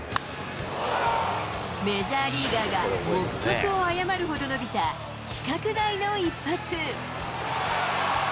メジャーリーガーが目測を誤るほど伸びた規格外の一発。